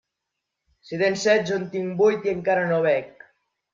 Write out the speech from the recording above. Si tens set, jo en tic vuit i encara no bec.